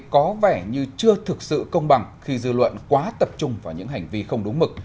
có vẻ như chưa thực sự công bằng khi dư luận quá tập trung vào những hành vi không đúng mực